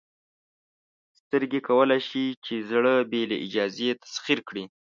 سترګې کولی شي چې زړه بې له اجازې تسخیر کړي.